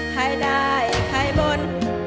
ใครได้ใครบน